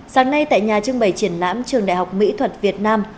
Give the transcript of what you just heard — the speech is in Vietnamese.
sáng nay tại nhà trưng bày triển lãm trường đại học mỹ thuật việt nam